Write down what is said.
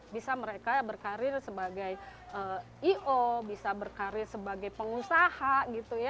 bisa mereka berkarir sebagai i o bisa berkarir sebagai pengusaha gitu ya